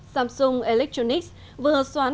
samsung electronics vừa soán